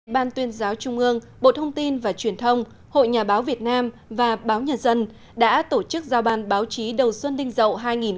ban tuyên giáo trung ương bộ thông tin và truyền thông hội nhà báo việt nam và báo nhân dân đã tổ chức giao ban báo chí đầu xuân đinh dậu hai nghìn một mươi chín